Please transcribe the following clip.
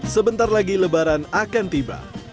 sebentar lagi lebaran akan tiba